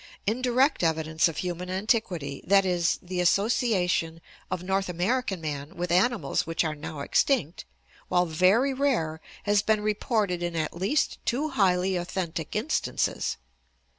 Indirect evidence of human antiquity, that is, the association of North American man with animals which are now extinct, while very rare has been reported in at least two highly authentic instances.